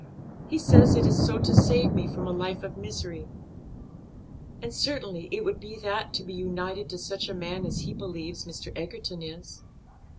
He says it is to save me from a life of misery, and certainly it would be that to be united to such a man as he believes Mr. Egerton is."